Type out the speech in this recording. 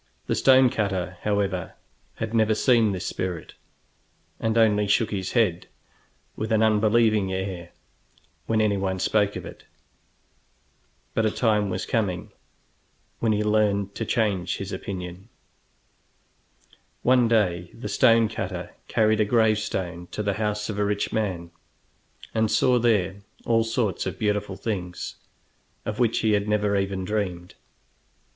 The stone cutter, however, had never seen this spirit, and only shook his head, with an unbelieving air, when anyone spoke of it. But a time was coming when he learned to change his opinion. One day the stone cutter carried a gravestone to the house of a rich man, and saw there all sorts of beautiful things, of which he had never even dreamed.